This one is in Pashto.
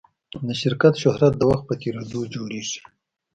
د شرکت شهرت د وخت په تېرېدو جوړېږي.